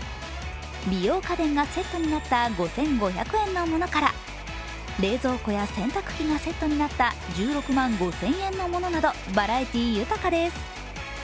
美容家電がセットになった５５００円のものから、冷蔵庫や洗濯機がセットになった１６万５０００円のものなどバラエティー豊かです。